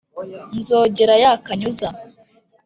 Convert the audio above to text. Nzogera ya Kanyuza